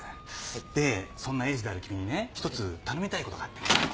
でそんなエースである君にね一つ頼みたい事があってね。